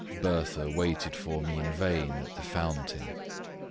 Bertha waited for me in vain at the fountain.